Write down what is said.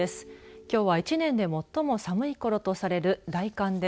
きょうは１年で最も寒いころとされる大寒です。